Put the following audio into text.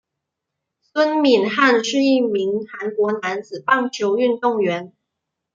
孙敏汉是一名韩国男子棒球运动员。